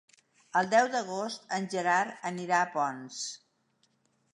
El deu d'agost en Gerard anirà a Ponts.